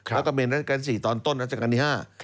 แล้วก็พระเมนรัชกาลที่๔ตอนต้นรัชกาลที่๕